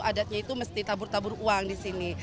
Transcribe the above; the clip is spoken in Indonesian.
adatnya itu mesti tabur tabur uang di sini